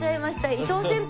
伊藤先輩。